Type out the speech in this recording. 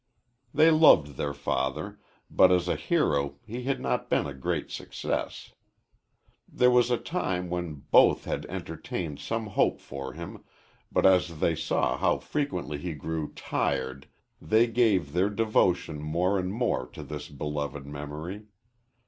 They loved their father, but as a hero he had not been a great success. There was a time when both had entertained some hope for him, but as they saw how frequently he grew "tired" they gave their devotion more and more to this beloved memory.